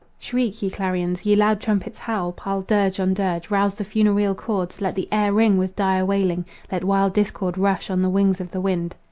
Shriek, ye clarions! ye loud trumpets, howl! Pile dirge on dirge; rouse the funereal chords; let the air ring with dire wailing; let wild discord rush on the wings of the wind!